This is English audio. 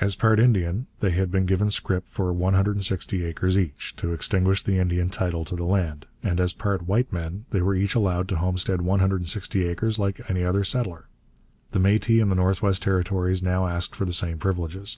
As part Indian, they had been given scrip for 160 acres each, to extinguish the Indian title to the land, and as part white men, they were each allowed to homestead 160 acres like any other settler. The Métis in the North West Territories now asked for the same privileges.